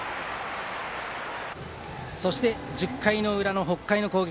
そして、１０回裏の北海の攻撃。